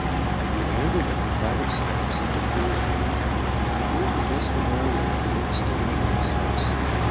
We landed at the flight of steps at the pier end, and made the best of our way at once to my aunt's house.